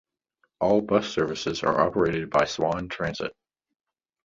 All bus services are operated by Swan Transit.